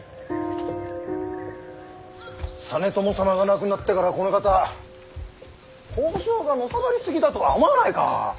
実朝様が亡くなってからこのかた北条がのさばり過ぎだとは思わないか。